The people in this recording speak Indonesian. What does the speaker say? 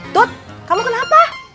tut kamu kenapa